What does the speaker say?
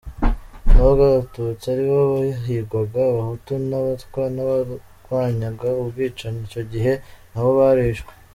Nubwo Abatutsi aribo bahigwaga, Abahutu n’Abatwa barwanyaga ubwicanyi icyo gihe nabo barishwe.